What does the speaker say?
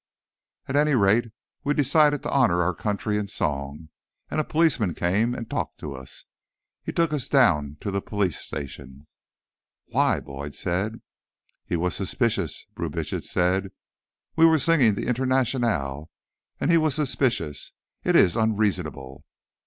"At any rate, we decided to honor our country in song. And a policeman came and talked to us. He took us down to the police station." "Why?" Boyd said. "He was suspicious," Brubitsch said. "We were singing the Internationale, and he was suspicious. It is unreasonable."